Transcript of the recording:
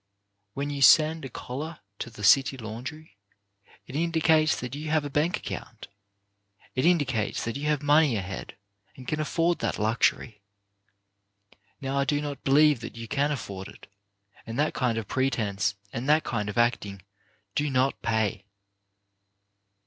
When you send a collar to the city laundry, it indicates that you have a bank account ; it indicates that you have money ahead, and can afford that luxury. Now I do not be lieve that you can afford it ; and that kind of pre tence and that kind of acting do not pay.